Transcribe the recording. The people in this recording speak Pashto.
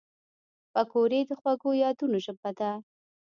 پکورې د خوږو یادونو ژبه ده